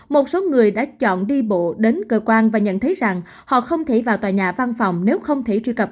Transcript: một số người đã chọn đi bộ đến cơ quan và nhận thấy rằng họ không thể vào tòa nhà văn phòng nếu không thể truy cập